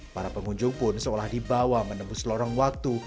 para pengunjung pun seolah dibawa menembus lorong waktu